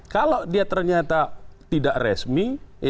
kalau dia ternyata tidak resmi